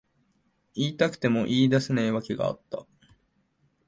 言いたくても言い出せない訳があった。